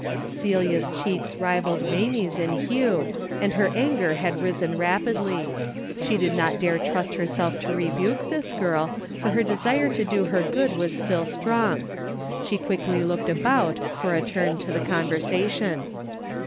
Celia's cheeks rivaled Mamie's in hue, and her anger had risen rapidly. She did not dare trust herself to rebuke this girl, for her desire to do her good was still strong. She quickly looked about for a turn to the conversation.